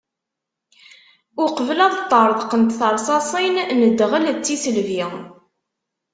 Uqbel ad ṭṭreḍqent tersasin n dɣel d tisselbi.